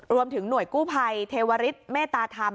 รวมถึงหน่วยกู้ภัยเทวริสเมตตาธรรม